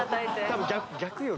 多分逆よ。